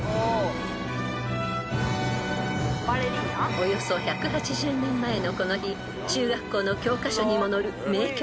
［およそ１８０年前のこの日中学校の教科書にも載る名曲